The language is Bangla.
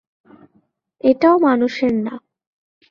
এটাও মানুষের না।